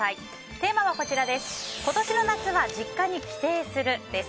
テーマは今年の夏は実家に帰省するです。